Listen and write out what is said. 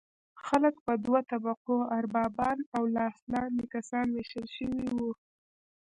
خلک په دوه طبقو اربابان او لاس لاندې کسان ویشل شوي وو.